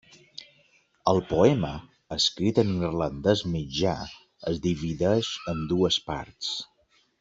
El poema, escrit en irlandès mitjà, es divideix en dues parts.